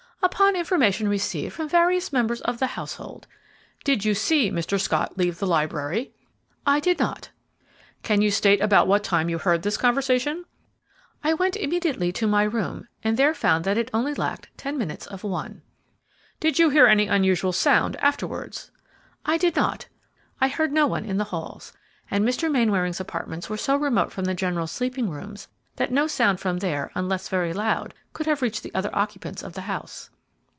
"Upon information received from various members of the household." "Did you see Mr. Scott leave the library?" "I did not." "Can you state about what time you heard this conversation?" "I went immediately to my room, and there found that it lacked only ten minutes of one." "Did you hear any unusual sound afterwards?" "I did not. I heard no one in the halls; and Mr. Mainwaring's apartments were so remote from the general sleeping rooms that no sound from there, unless very loud, could have reached the other occupants of the house."